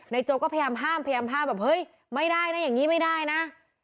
โจก็พยายามห้ามพยายามห้ามแบบเฮ้ยไม่ได้นะอย่างนี้ไม่ได้นะ